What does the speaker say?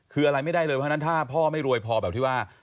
คืออะไรไม่ได้เลยเพราะฉะนั้นถ้าพ่อไม่รวยพอแบบที่ว่า